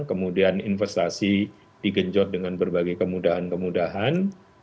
kemudian investasi digenjot dengan berbagai kemudahan kemudahan